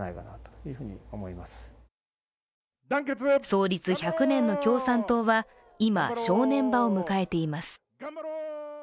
創立１００年の共産党は今、正念場を迎えています。